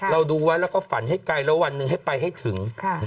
เราดูไว้แล้วก็ฝันให้ไกลแล้ววันหนึ่งให้ไปให้ถึง